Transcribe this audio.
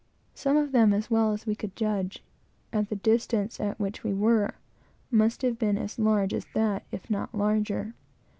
Some of them, as well as we could judge, at the distance at which we were, must have been as large as that, if not larger.